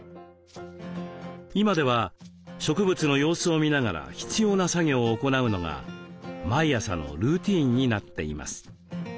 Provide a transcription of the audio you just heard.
今では植物の様子を見ながら必要な作業を行うのが毎朝のルーティンになっています。